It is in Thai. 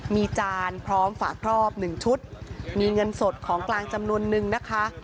มีจานพร้อมฝากรอบ๑ชุดมีเงินสดของกลางจำนวนนึงนะคะ